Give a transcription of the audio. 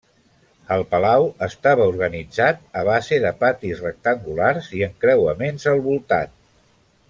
El palau estava organitzat a base de patis rectangulars i encreuaments al voltant.